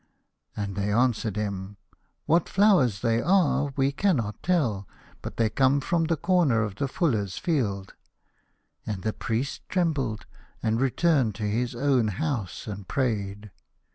" And they answered him, "What flowers they are w r e cannot tell, but they come from the corner of the Fullers' Field." And the Priest trembled, and returned to his own house and prayed.